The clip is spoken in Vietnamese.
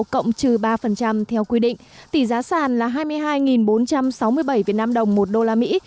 cộng trừ ba theo quy định tỷ giá sàn là hai mươi hai bốn trăm sáu mươi bảy việt nam đồng một đô la mỹ